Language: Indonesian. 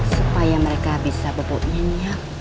supaya mereka bisa bebo nya nyam